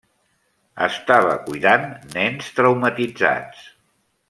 Estava cuidant nens traumatitzats.